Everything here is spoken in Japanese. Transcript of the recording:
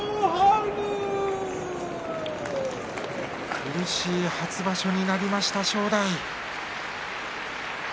苦しい初場所になりました、正代。